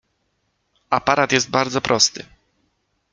Aparat jest bardzo prosty.